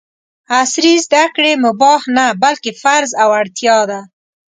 عصري زده کړې مباح نه ، بلکې فرض او اړتیا ده!